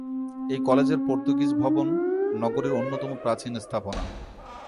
এই কলেজের পর্তুগিজ ভবন নগরীর অন্যতম প্রাচীন স্থাপনা।